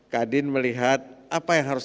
kak din melihat apa yang harus